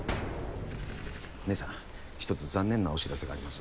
姐さん１つ残念なお知らせがあります。